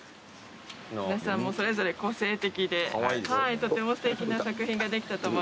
皆さんそれぞれ個性的でとてもすてきな作品ができたと思います。